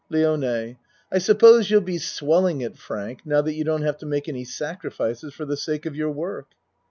LIONE I suppose you'll be swelling it, Frank, now that you don't have to make any sacrifices for the sake of your work.